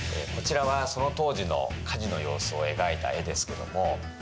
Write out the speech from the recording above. こちらはその当時の火事の様子を描いた絵ですけども。